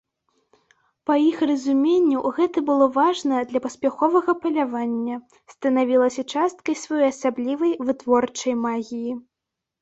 Па іх разуменню гэта было важна для паспяховага палявання, станавілася часткай своеасаблівай вытворчай магіі.